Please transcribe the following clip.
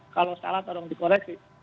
kalau salah tolong dikoreksi